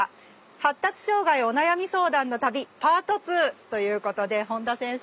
「“発達障害”お悩み相談の旅パート２」ということで本田先生